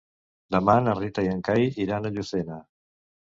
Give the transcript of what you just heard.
Demà na Rita i en Cai iran a Llucena.